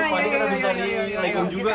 panikan habis nari layukun juga kan